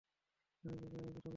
আমি প্রোগ্রামের কথা বলিনি।